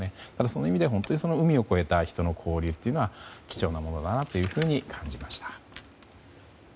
その意味で海を越えた人の交流というのは貴重なものだなというふうに感じました。